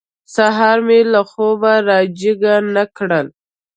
سهار مې له خوبه را جېګ نه کړل.